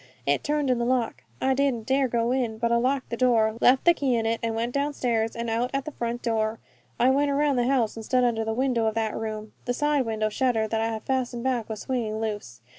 It turned in the lock. I didn't dare go in, but I locked the door, left the key in it, and went downstairs and out at the front door. I went around the house and stood under the window of that room. The side window shutter that I had fastened back was swinging loose.